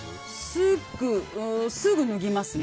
すぐ脱ぎますね。